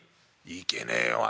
「いけねえよ兄ぃ。